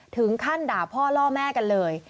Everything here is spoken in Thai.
ถึงขั้นด่าพ่อล่อแม่กันเลย